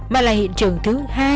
mà là hiện trường thứ hai